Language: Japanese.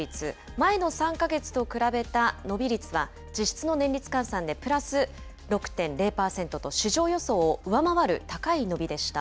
前の３か月と比べた伸び率は、実質の年率換算でプラス６．０％と、市場予想を上回る高い伸びでした。